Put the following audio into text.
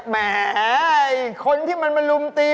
แหมคนที่มันมาลุมตี